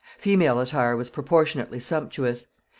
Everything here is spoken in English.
Female attire was proportionally sumptuous.